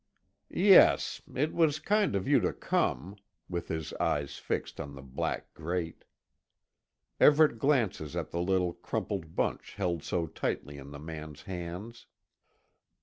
"Yes. It was kind of you to come," with his eyes fixed on the black grate. Everet glances at the little crumpled bunch held so tightly in the man's hands.